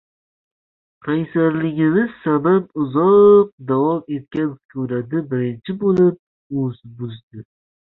Qaysarligimiz sabab uzoq davom etgan sukunatni birinchi boʻlib u buzdi